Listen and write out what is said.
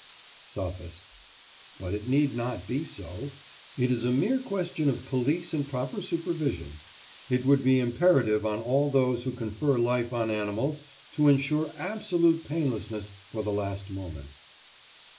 SOPHIST: But it need not be so. It is a mere question of police and proper supervision. It should be imperative on all those who confer life on animals to ensure absolute painlessness for the last moment.